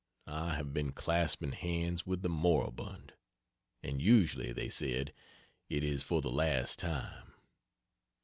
I have been clasping hands with the moribund and usually they said, "It is for the last time."